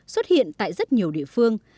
xuất hiện tại rất nhiều địa phương